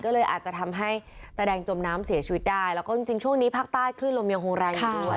ก็เลยอาจจะทำให้ตาแดงจมน้ำเสียชีวิตได้แล้วก็จริงช่วงนี้ภาคใต้คลื่นลมยังคงแรงอยู่ด้วย